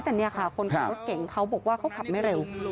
แต่คนของรถเก่งเขาบอกว่าเขาขับไม่เร็ว